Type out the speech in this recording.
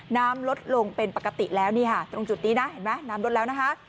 น้ำลดลงเป็นปกติแล้วนี่ค่ะตรงจุดนี้นะเห็นไหมน้ำลดแล้วนะคะ